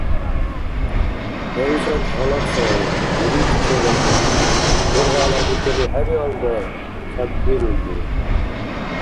Райсат гьалаксаур. Дирихь чебашулри. БерхӀи гӀелабикили хӀебиалра, цӀяббирулри.